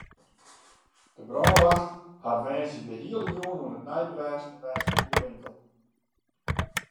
De brânwacht hat woansdei de hiele jûn oan it neidwêsten west by de winkel.